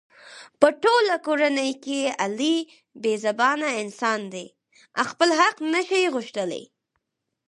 په ټوله کورنۍ کې علي بې زبانه انسان دی. خپل حق نشي غوښتلی.